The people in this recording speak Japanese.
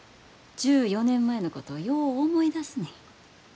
１４年前のことよう思い出すねん。